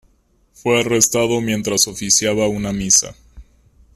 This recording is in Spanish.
Fue arrestado mientras oficiaba una misa.